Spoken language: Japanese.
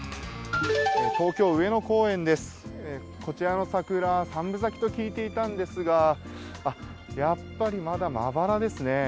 東京・上野公園です、こちらの桜、三分咲きと聞いていたんですが、やっぱり、まだまばらですね。